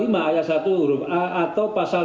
pasal tujuh ayat satu huruf a atau pasal tujuh